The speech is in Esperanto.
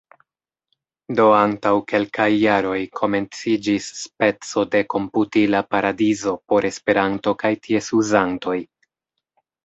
Do antaŭ kelkaj jaroj komenciĝis speco de komputila paradizo por Esperanto kaj ties uzantoj.